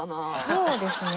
そうですね